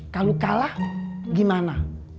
kalau kalah gimana